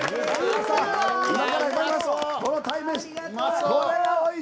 この鯛めし